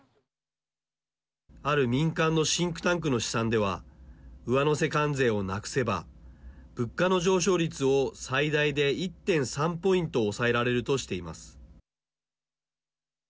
ある民間のシンクタンクの試算では上乗せ関税をなくせば物価の上昇率を最大で１．３ポイント抑えられるとしています。